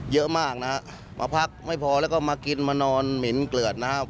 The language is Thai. เยอะมากนะฮะมาพักไม่พอแล้วก็มากินมานอนเหม็นเกลือดนะครับ